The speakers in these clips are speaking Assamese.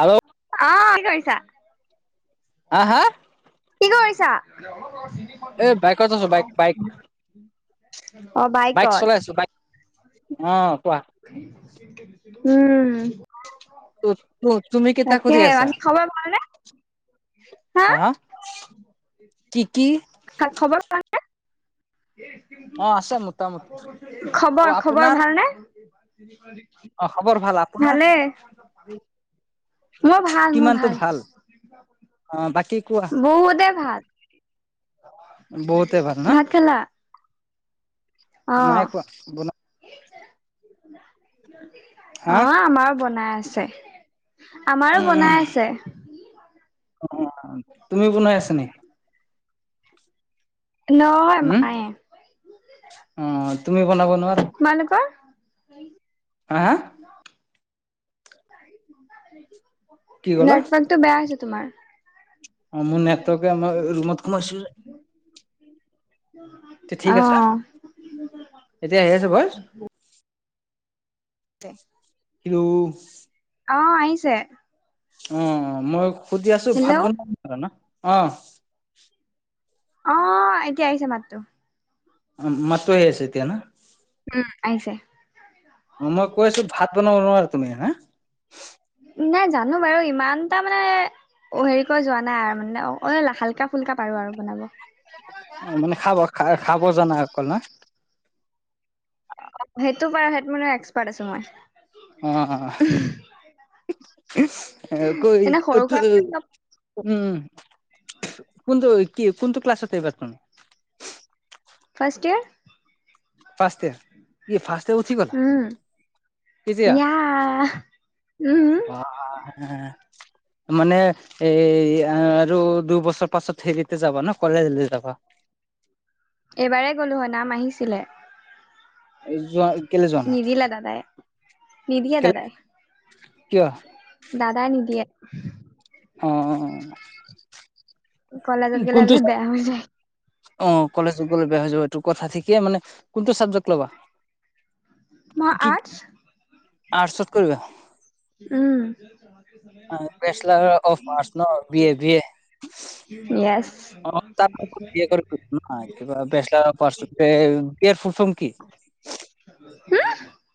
হেল্ল', অ কি কৰিছা? হা হা, কি কৰিছা? এই বাইকত আছো বাইক বাইক অ বাই বাইক চলাই কত। আছো বাইক অ কোৱা। উম। তুমি কেইটা তাকে, কৰি আছা আজি খবৰ ভাল নে? হা, কি কি? খবৰ ভাল নে? অ আছে মোটামুটি আৰু খবৰ খবৰ আপোনাৰ ভালনে? অ খবৰ ভাল। আপোনাৰ? ভালে মোৰ ভাল মোৰ কিমানটো ভাল। অ বাকী কোৱা। বহুতে ভাল। বহুতে ভাল ন ভাত খালা? অ নাই খোৱা বনা, হা অ আমাৰো বনাই আছে। আমাৰো বনাই আছে। অ তুমি বনাই আছা নেকি? ন, উম অ, তুমি বনাব নোৱাৰ। তোমালোকৰ। হা হা কি ক'লা নেটৱৰ্কটো বেয়া হৈছে তোমাৰ অ মোৰ নেটৱৰ্কে মই ৰুমত সোমাইছো যে [unintelligible] এ ঠিক আছে, এতিয়া আহি আছো ঘৰ। দে, কিলো অ আহিছে। অ, মই সুধি আছো হেল্ল' ভাত বনাম ন [unintelligible] অ। অ এতিয়া আহিছে মাতটো। অ মাতটো আহিছে এতিয়া ন। উম আহিছে মই কৈছো ভাত বনাব নোৱাৰো তুমি হা নাই জানো বাৰু ইমানটা মানে অ হেৰি কৰি যোৱা নাই আৰু মানে অ ঐ হাল্কা ফুল্কা পাৰো আৰু বনাব। অ মানে খাব খা খাব জানা অকল না অ সেইটো বাৰু হেত এক্সপাৰ্ট আছো মই অ হেকু এনে সৰু ৰিকটো-টো সুৰা চব উম উ কোনটো কি কোনটো ক্লাছত এইবাৰ তুমি ফাৰ্ষ্ট ইয়েৰ ফাৰ্ষ্টে ইয়েৰ ইয়ে ফাৰ্ষ্ট ইয়েৰ উঠি গলা কেতিয়া য়াহ উম আ মানে এ আৰু দুইবছৰ পাছত হেৰিতে যাবা ন কলেজলে যাবা এইবাৰেই গ'লো হয় নাম আহিছিলে যোৱা কেলে যোৱা নাই নিদিলে দাদাই নিদিয়ে কেলে দাদাই কিয় দাদাই নিদিয়ে অ কলেজত গ'লে কোনটো বোলে বেয়া হৈ যায় অ কলেজ গ'লে বেয়া হৈ যাব এইটো কথা ঠিকে মানে কোনটো চাবজেক্ট লবা মই কি আৰ্টছ আৰ্টছত কৰিবা উম বেচলাৰ অফ আৰ্টছ ন বি এ বি এ মেছ্ অ তাত বি এ কৰিছো একো নহয় কিবা বেচলাৰ পাৰ্চেন্টিজ কেৰ ফলফন কি উম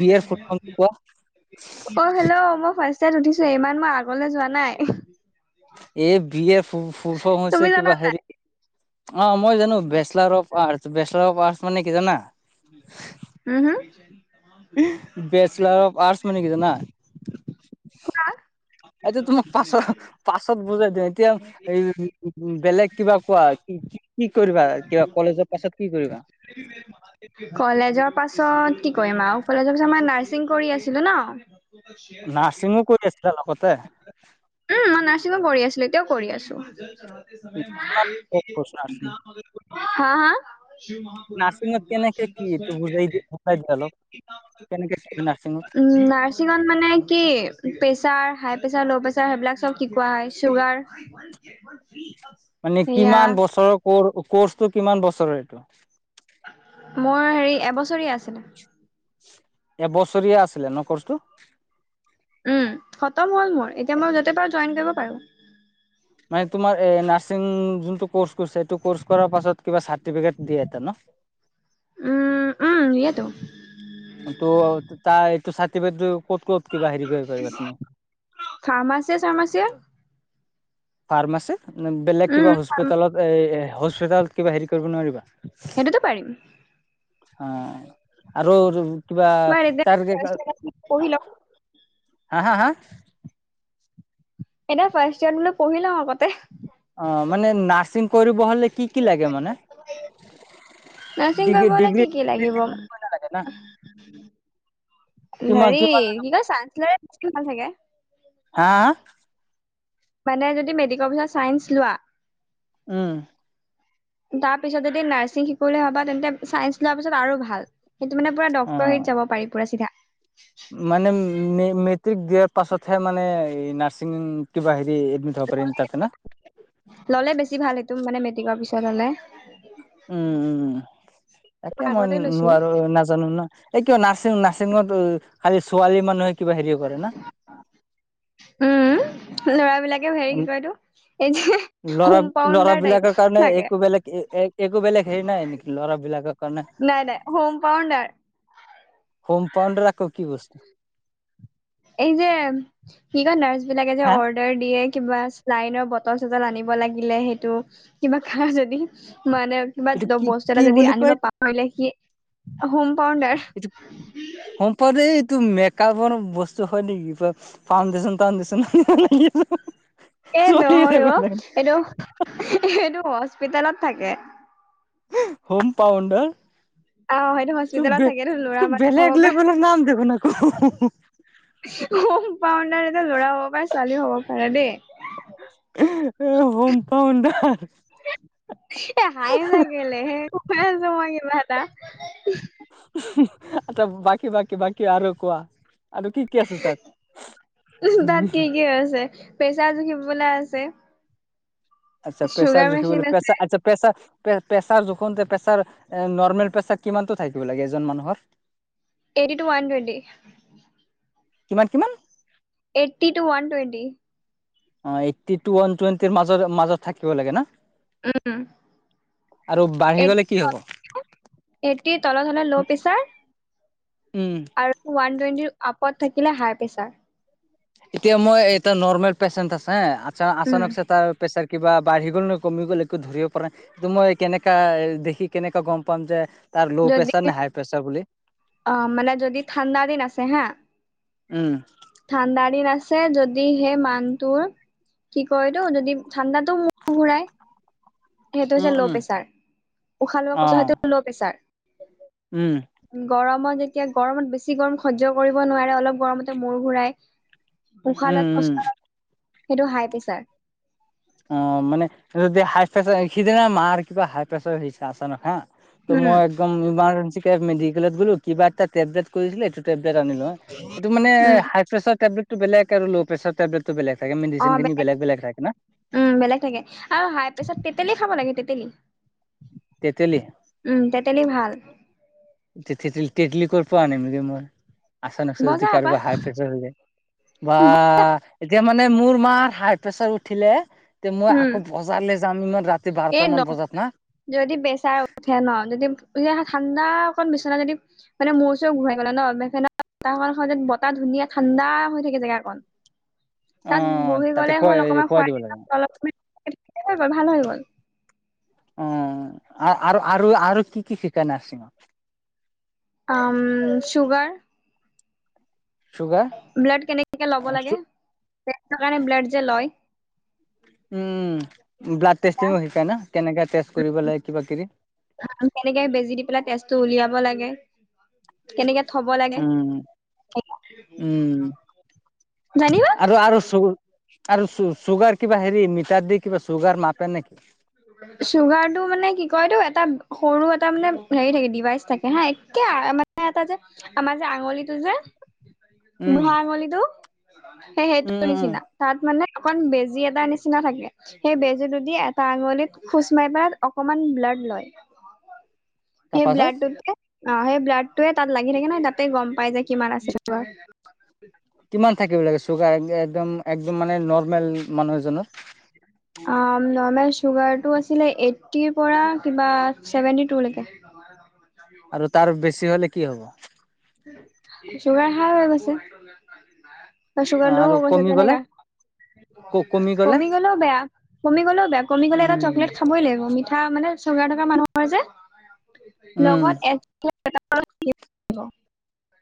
বি এৰ ফোলফ্ৰমটো কোৱা অ হেল্ল' মই ফাৰ্ষ্ট ইয়েৰত উঠিছোহে এইমান মই আগলে যোৱা নাই এই বি এৰ ফু ফুলফৰ্ম তুমি হৈছে জানা কিবা নাই? হেৰি অ মই জানো bachelor of bachelor of arts মানে কি জানা উম হু বেচেলাৰ অফ আৰ্টচ মানে কি জানা হো আ এটো তোমাক পাছৰ পাছত বুজাই দিম এতিয়া এই বেলেগ কিবা কোৱা কি কি কি কৰিবা কিবা কলেজৰ পাছত কি কৰিবা [unintelligible] কলেজৰ পাছত কি কৰিম আও কলেজৰ পাছত মই নাৰ্ছিং কৰি আছিলো ন। নাৰ্ছিংঙো কৰি আছিলা লগতে। উম মই নাৰ্ছিঙো কৰি আছিলোঁ। এতিয়াও কৰি আছোঁ। কিমান কোৰ্চ নাৰ্ছিং হা হা হা। নাৰ্ছিঙত কেনেকে কি এইটো বুজাই দি বুজাই দিয়া অলপ কেনেকে কি নাৰ্ছিঙত উম নাৰ্ছিঙত মানে কি প্ৰেচাৰ হাই প্ৰেছাৰ ল' পেছা তে সেইবিলাক চব শিকোৱা হয় চুগাৰ মানে সেয়া কিমান বছৰৰ কৌৰ কৰ্চটো কিমান বছৰৰ এইটো মোৰ হেৰি এবছৰীয়া আছিলে। এবছৰীয়া আছিলে নহ কৰ্চটো উম খতম হল মোৰ। এতিয়া মই যতে পাৰো জইন কৰিব পাৰো। মানে তোমাৰ এ নাৰ্চিং যোনটো কৰ্চ কৰিছা, সেইটো কৰ্চ কৰাৰ পাছত কিবা চাৰ্টিফিকেট দিয়ে এটা নহ উম, উম। দিয়েতো তহ তাৰ এইটো চাৰ্টিফিকেট কত কত কিবা হেৰি কৰিব পাৰিবা তুমি ফাৰ্মাচি চাৰ্মাচিয়ে ফাৰ্মাছিত নে বেলেগ উম, কিবা হস্পিটেলত এ হস্পিটেলত কিবা হেৰী কৰিব নোৱাৰিবা সেইটোতো পাৰিম। অহ, আৰু আৰু কিবা তোমাৰ এতিয়া তাৰ ফাৰ্ষ্ট ইয়াৰত পঢ়ি লওঁ হা হা হা এনেও ফাৰ্ষ্ট ইয়েৰত বলো পঢ়ি লওঁ আগতে। অ মানে নাৰ্ছিং কৰিব হলে কি কি লাগে মানে। নাৰ্ছিং ডিগ্ৰী কৰিব হলে ডিগ্ৰী কি কি কি লাগিব নালাগে না কিমান হেৰি কিমান কি কয়, চাৰ্টিফিকেট চাগে হা হা। মানে যদি মেট্ৰিকৰ পিছত চাইন্স লোৱা। উম। তাৰপিছত যদি নাৰ্ছিং শিকো বুলি ভবা তেন্তে চাইন্স লোৱাৰ পিছত আৰু ভাল। সেইটো মানে পুৰা অ ডক্তৰ হাৰিত যাব পাৰি পুৰা চিধা। মানে। মেট্ৰিক দিয়াৰ পাছতহে মানে নাৰ্ছিং কিবা হেৰি এডমিট হব পাৰি তাতে নহ। ললে বেছি ভাল। সেইটো মানে মেট্ৰিকৰ পিছত হলে। উম উম তাকে মই আগতে লৈছো নোৱাৰো নাজানো নহ। এই কিয় নাৰ্ছিং নাৰ্ছিংত খালি ছোৱালী মানুহে কিবা হেৰি কৰে না। উম, লৰাবিলাকে এ হেৰি কি কয় এইতো, এই যে ল'ৰা হোম্পাউণ্ডাৰ টাইপ ল'ৰাবিলাকৰ কাৰণে লাগে। একো বেলেগ একো বেলেগ হেৰি নাই নেকি ল'ৰাবিলাকৰ কাৰণে নাই নাই হোমপাউণ্ডাৰ। হোম্পাউণ্ডাৰ আকৌ কি বস্তু। এই যে, কি কৈ নাৰ্ছ বিলাকে যে হা অ উদৰ দিয়ে কিবা চেলাইনৰ বতল -চতল আনিব লাগিলে সেইটো কিবা খাৱ যদি মই‌ অৰ্ডাৰ এইটো কিবা কি বস্তু কি এটা যদি বুলি আনিব কয় পাহৰিলে হি হুম পাউণ্ডাৰ। হুম পাউণ্ডাৰ এই এইটো মেকাপৰ বস্তু হয় নেকি। কোৱা চোন ফাউণ্ডিছন টাউণ্ডিছন হে হে লাগিব। এহ নহয় অ, এইটো হেঁ এইটো হস্পিতেলত থাকে। হোম পাউণ্ডাৰ অ সেইটো টো হস্পিতেলত বে থাকে এইটো ল'ৰা টো মানুহ বেলেক লেৱেলৰ নাম দেখোন আক, হে হে। হুম পাউণ্ডাৰ এটা লৰাও হব পাৰে। ছোৱালী হব পাৰে দেই। হুম পাউণ্ডাৰ এহ হাঁহিছা কেলে সেহ, কৈ আছো মই কেলা তাক। আচ্ছা বাকী বাকী বাকী আৰু কোৱা। আৰু কি কি আছে তাত কি কি আছে, প্ৰেছাৰ জুখিবলৈ আছে। আচ্ছা চুগাৰ পেছাৰ মেচিন জুখিবলৈ আছে পেছা আচ্ছা পেছাৰ পেছাৰ যুনখুংটে পেছাৰ এ নৰ্মেল পেছাৰ কিমানটো থাকিব লাগে এজন মানুহৰ? Eighty two one twenty. কিমান কিমান এইটতি টু ওয়ান টোৱেণ্টি। অ এইতটি টু ওৱান টুৱেণ্টিৰ মাজ মাজত থাকিব লাগে না। উম। আৰু বা এইট [unintelligible] এইটি তলত হ'লে ল' পেছাৰ। উম। আৰু ওৱান টুৱেণ্টিৰ আপত থাকিলে হাই পেছাৰ। এতিয়া মই এটা নৰ্মেল পেচেণ্ট আছে এ আচ উম। আচানকচে তাৰ পেচাৰ কিবা বাঢ়ি গ'ল নে কমি গ'ল একো ধৰিব পৰা নাই। ত'মই কেনেকা দেখি কেনেকা গম পাম যে তাৰ ল' যদি প্ৰেছাৰ নে হাই প্ৰেছাৰ বুলি [inaudible] অ, মানে যদি ঠাণ্ডা দিন আছে হা উম। ঠাণ্ডা দিন আছে যদি সেই মানুহটোৰ কি কয় এইতো যদি ঠাণ্ডাতো মূৰ ঘুৰাই। সেইটো হৈছে উম ল' উম পেচাৰ উশাহ ল'ব অ কষ্ট হয় সেইটো হল ল' পেচাৰ। উম, গৰমত যেতিয়া গৰমত বেছি গৰম সহ্য কৰিব নোৱাৰে অলপ গৰমতে মূৰ ঘূৰাই। উশাহ উম লোৱাত উম কষ্ট হয় [inaudible] সেইটো হাই পেচাৰ। অহ, মানে যদি হাই ফেচাৰ সিদিনা মাৰ কিবা হাই পেছাৰ হৈছে আছানক হা ত' উম, মই একদম ইমাৰ্জেঞ্চিকে মেডিকেলত গ'লোঁ কিবা এটা টেবলেট কৰিদিলে এটোত টেবলেট আনিলো হা এইটো মানে উম। হাই প্ৰেছাৰ টেবলেটটো বেলেগ আৰু ল' প্ৰেছাৰ টেবলেট টো বেলেগ থাকে মেডিচিন খিনি বেলেগ বেলেগ ৰাখে না। উম, বেলেগ থাকে আৰু হাই প্ৰেছাত তেতেলী খাব লাগে তেতেলী। তেতেলী? উম, তেতেলী ভাল। তে তেঁতেলী - তেঁতেলী ক'ৰ পৰা আনিমগে মই আচান আছে যদি বজা পা কাৰোবা হাগ তেতিয়া হলে বা এতিয়া মানে মোৰ মাৰ হাই প্ৰেচাৰ উঠিলে তে মই আকৌ বজাৰলে যাম ইমান ৰাত এ নক যদি বেচাৰ উঠে ন'যদি [unintelligible] ঠাণ্ডা অকণ বিচনা যদি মানে মূৰ-চুৰ ঘূৰাই গলে ন, [unintelligible] বতাহ ধুনীয়া ঠাণ্ডা হৈ থাকে জেগাকন। [inaudible] অ তাত বহি তাতে গ'লে হ'ল খুৱাই অকমান খুৱাই খোৱাই দিব লাগে [unintelligible] হৈ গ'ল ভাল হৈ গ'ল। অ' আ আৰু -আৰু কি -কি শিকায় নাৰ্চিঙত? আম, চুগাৰ চুগাৰ ব্লাড কেনেকে ল'ব লাগে টেষ্টৰ কাৰণে ব্লাড যে লয়। উম, ব্লাড টেষ্টিং ও শিকাই ন'কেনেকে টেষ্ট কৰিব লাগে কিবা -কিবি? কেনেকে বেজি দি পেলাই তেজটো উলিয়াব লাগে কেনেকে থ'ব লাগে উম সেইয়া উম [unintelligible] ধানিবা আৰু আৰু চু [unintelligible] আৰু চু চুগাৰ কিবা হেৰি মিটাৰ দি কিবা চুগাৰ মাপে নেকি? চুগাৰটো মানে কি কয়টো এটা সৰু এটা মানে হেৰি থাকে ডিভাইচ থাকে হা এক্কে আ [unintelligible] এ এটা যে আমাৰ যে আঙুলিটো যে উম বুঢ়া আঙুলিটো সেই সেইটো উম [unintelligible] উম উম নিচিনা। তাত মানে অকন বেজি এটাৰ নিচিনা থাকে। সেই বেজীটোদি এটা আঙুলিত খোচ মাৰি পাদ অকমান ব্লাড লয়। সেই তাৰপাছত ব্লাদতো অ সেই ব্লাডটোৱে তাত লাগি থাকে ন তাতেই গম পাই যে কিমান আছে। কিমান থাকিব লাগে চুগাৰ একদম একদম মানে নৰ্মেল মানুহ এজনৰ। আ, উম, নৰ্মেল চুগাৰটো আছিলে এইটীৰ পৰা কিবা চেভেনটিটু লৈকে। আৰু তাৰ বেছি হ'লে কি হ'ব? চুগাৰ হাইহৈ গৈছে। চুগাৰ আৰু লহয়গৈছে কমি গ'লে তেনেকা, ক গ'লে কমি গ'লেও বেয়া, কমি গ'লেও বেয়া, কমি গ'লে এটা উম চকলেট খাবই লাগিব মিঠা মানে, চুগাৰ থকা মানুহৰ যে, উম লগত এ [unintelligible]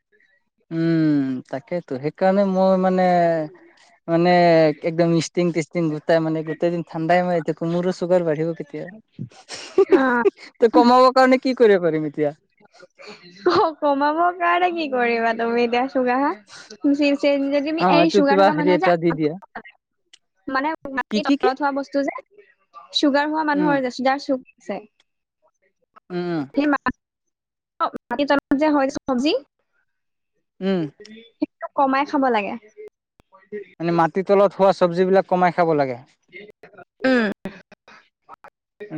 [inaudible] উম, তাকেইতো সেইকাৰণে মই মানে, মানে একদম ইষ্টিং ফিষ্টিং গোটাই মানে গোটেই দিন ঠাণ্ডাই মই এতিয়া মোৰো চুগাৰ বাঢ়িব কেতিয়া। [unintelligible] অ, ত কমাব কাৰণে কি কৰিব পাৰিম এতিয়া। অ কমাবৰ কাৰণে কি কৰিবা তুমি এতিয়া। চুগাৰ হা [unintelligible] চেনি অ যদি এই এইটো কিবা চুগাৰ থকা হেৰি মানুহ যে দি দিয়া এটা, মানে কি মাটিত কি কি তলত হোৱা বস্তু যে, চুগাৰ হোৱা উম মানুহৰ যে যাৰ চুগ আছে। উম উম মাটি তলত যে হয় চবজি। উম কমাই খাব লাগে। মানে মাটি তলত হোৱা চবজি বিলাক কমাই খাব লাগে। উম,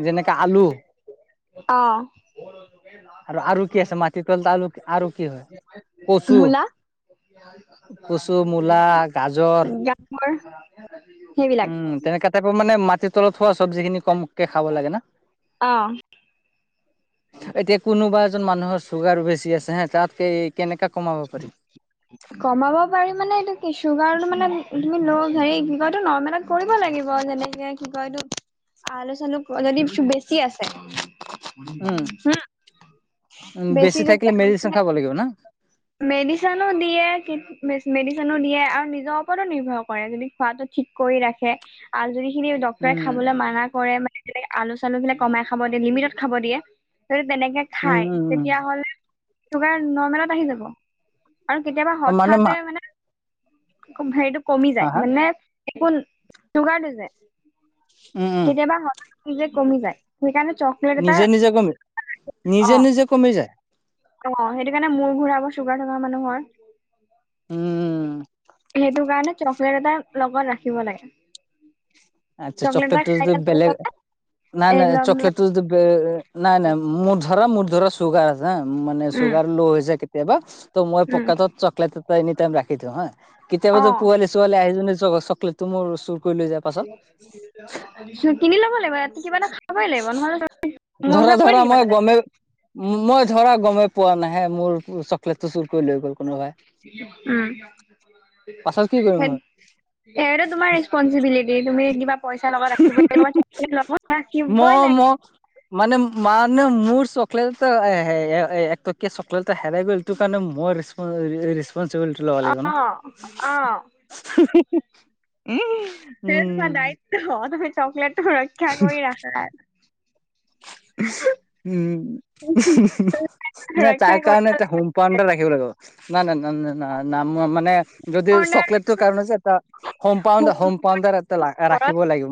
যেনেকে আলু অহ, আৰু আৰু কি আছে মাটিৰ তলত আলু আৰু কি হয় কচু মূলা। কচু মূলা গাজৰ গাজৰ সেইবিলাক। উম তেনেকা টাইপৰ মানে মাটি তলত হোৱা চবজি খিনি কমকে খাব লাগে না। অ, এতিয়া কোনোবা এজন মানুহৰ চুগাৰ বেছি আছে হে তাত এই কেনেকা কমাব পাৰি। [inaudible] কমাব পাৰি মানে এইটো কি চুগাৰটো মানে তুমি ল হেৰি কি কয়তো নৰ্মেলত কৰিব লাগিব যেনেকে। কি কয় এইটো আলু চালু যদি বেছি আছে উম হো। উম বেছি যদি থাকিলে আছে। মেডিচিন খাব লাগিব না মেডিচিনো দিয়ে মেডিচিনো দিয়ে আৰু নিজৰ ওপৰতো নিৰ্ভৰ কৰে যদি খোৱাটো। ঠিক কৰি ৰাখে আৰু যদি সিখিনি ডক্তৰে উম খাবলৈ মানা কৰে মানে। আলু চালু বিলাক কমাই খাব দিয়ে লিমিটত খাব দিয়ে তেনেকে, উম খাই উম উম তেতিয়াহলে চুগাৰ নৰ্মেলত আহি যাব। আৰু কেতিয়াবা অ হঠাৎতে মা মানে হেৰিটো কমি হা যায় হা মানে, একোন চুগাৰটো যে উম উম কেতিয়াবা হঠাৎ নিজে কমি যায় সেইকাৰণে, চকলেট এটা নিজে নিজে কমি নিজে অ নিজে কমি যায়। অ সেইটো কাৰণ মোৰ ঘূৰাব চুগাৰ থকা মানুহৰ। উম, সেইটো কাৰণে চকলেট এটা লগত ৰাখিব লাগে। আচ্ছা চকলেট এটা চকলেটটো খাই যদি দিয়াৰ বেলেগ লগে লগে না এই না নাই লগ চকলেট, [unintelligible] নাই নাই মোৰ ধৰা মোৰ ধৰা চুগাৰ আছে মানে উম চুগাৰ ল হৈ যায়। কেতিয়াবা ত মই উম পকাটো চকলেট এটা এনি টাইম ৰাখি থওঁ হা অ কেতিয়াবা পোৱালি, ছোৱালী আহি যদি চ চকলেটো মোৰ চুৰ কৰি লৈ যাব। [unintelligible] কিনি ল'ব লাগিব ইয়াত কিবা এটা খাবই লাগিব নহ'লে মূৰ ধৰা ঘূৰাই পৰি ধৰা থাকিবা মই তাতে। গমেই মই ধৰা গমেই পোৱা নাই মোৰ চকলেটটো চুৰ কৰি লৈ গ'ল কোনোবাই। উম, পাছত কি কৰিম মই [unintelligible] সেইটো তোমাৰ ৰেচপনচচিবিলিটি তুমি কিবা পইচা লগত [unintelligible] ৰাখিবই মই মই লাগে। মানে মানে মোৰ চকলেট এটা এক টকীয়া চকলেট এটা হেৰাই গ'ল এইটো কাৰণে মোৰ, ৰিছপন্সিবিলিটি লব অ', লাগিব না অ'। উ, সেই তোমাৰ দায়িত্ব তুমি চকলেটো ৰক্ষা কৰি ৰাখাৰ। উম হু হু না ৰক্ষা তাৰ কাৰণে কৰিব এটা লাগিব। হম, [unintelligible] যদি চকলেটটোৰ কাৰণ এটা, কম্পাউণ্ডাৰ হম্পাউণ্ডাৰ এটা ঘৰত ৰাখিব লাগিব মোক।